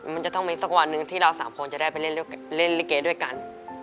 มันจะต้องมีสักวันหนึ่งที่เราสามคนจะได้ไปเล่นลิเกด้วยกัน